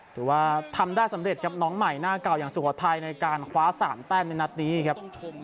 ถือว่าทำได้สำเร็จครับน้องใหม่หน้าเก่าอย่างสุโขทัยในการคว้า๓แต้มในนัดนี้ครับ